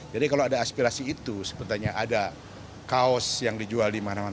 jadi kalau ada aspirasi itu sepertinya ada kaos yang dijual di mana mana